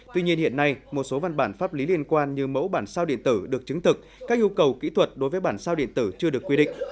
tuy nhiên hiện nay một số văn bản pháp lý liên quan như mẫu bản sao điện tử được chứng thực các nhu cầu kỹ thuật đối với bản sao điện tử chưa được quy định